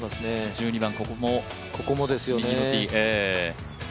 １２番、ここも右のティー。